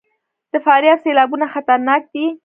د فاریاب سیلابونه خطرناک دي